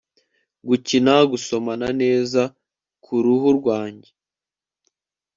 gukina gusomana neza kuruhu rwanjye